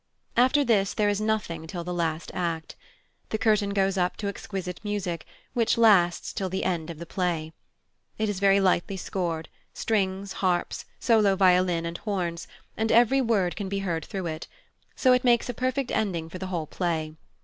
After this there is nothing till the last act. The curtain goes up to exquisite music, which lasts till the end of the play. It is very lightly scored, strings, harps, solo violin, and horns, and every word can be heard through it: so it makes a perfect ending for the whole play.